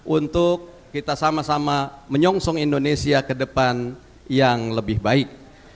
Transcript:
untuk kita sama sama menyongsong indonesia ke depan yang lebih baik